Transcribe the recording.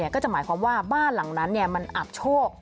ก็จะหมายความว่าบ้านหลังนั้นมันอับโชค